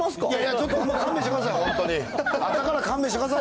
ちょっと勘弁してください。